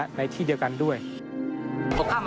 ใช่คือที่น้องเล่า